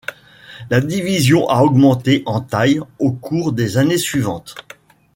La division a augmenté en taille au cours des années suivantes.